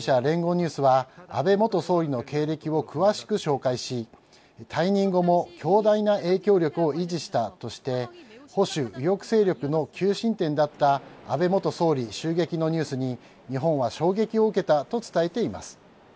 ニュースは安倍元総理の経歴を詳しく紹介し退任後も強大な影響力を維持したとして保守、右翼勢力の求心点だった安倍元総理襲撃のニュースに日本は衝撃を受けたと伝えています。